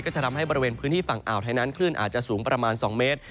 จะทำให้บริเวณพื้นที่ฝั่งอ่าวไทยนั้นคลื่นอาจจะสูงประมาณ๒เมตร